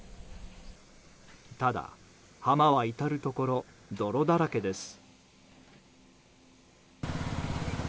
ただ、浜は至るところ泥だらけです。